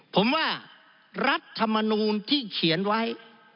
ผมว่ารัฐมนูลที่เขียนไว้